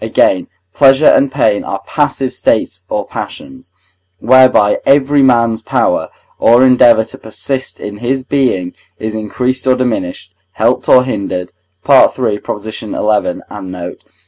Again, pleasure and pain are passive states or passions, whereby every man's power or endeavour to persist in his being is increased or diminished, helped or hindered (III. xi. and note).